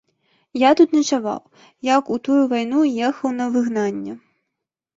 Я тут начаваў, як у тую вайну ехаў на выгнанне.